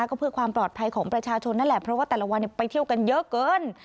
ก็เพื่อความปลอดภัยของประชาชนนั่นแหละเพราะว่าแต่ละวันไปเที่ยวกันเยอะเกิน